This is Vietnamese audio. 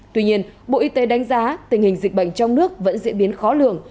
tuy nhiên bộ y tế đánh giá tình hình dịch bệnh trong nước vẫn diễn biến khó lường